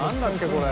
これ。